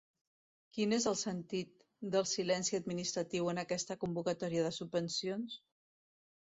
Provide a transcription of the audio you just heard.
Quin és el sentit del silenci administratiu en aquesta convocatòria de subvencions?